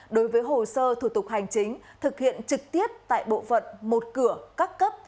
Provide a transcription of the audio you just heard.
đối với hồ sơ thủ tục hành chính thực hiện trực tiếp tại bộ phận một cửa các cấp